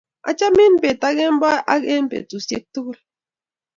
achamin bet ak kemboi ak eng' petusiek tugul